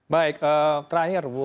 baik terakhir bu